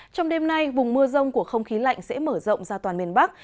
trong đêm nay vùng mưa rông của không khí lạnh sẽ mở rộng ra toàn miền bắc